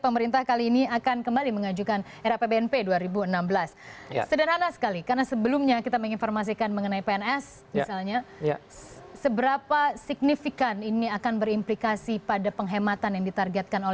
pemerintahan joko widodo